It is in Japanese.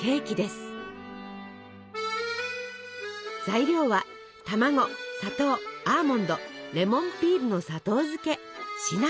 材料は卵砂糖アーモンドレモンピールの砂糖漬けシナモン。